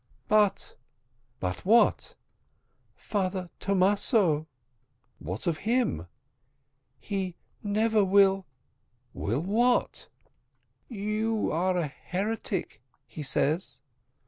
"But " "But what?" "Father Thomaso." "What of him?" "He never will " "Will what?" "You are a heretic," he says.